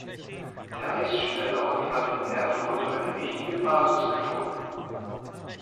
Der Eisschnelllauf hat in Erfurt eine wichtige Basis gefunden.